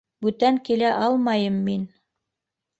Бүтән килә алмайым мин.